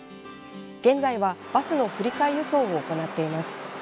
現在はバスの振り替え輸送を行っています。